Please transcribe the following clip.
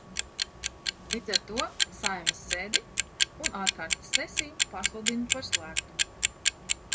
Līdz ar to Saeimas sēdi un ārkārtas sesiju pasludinu par slēgtu.